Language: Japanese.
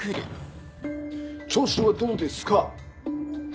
調子はどうですか？